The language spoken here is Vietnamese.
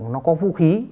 nó có vũ khí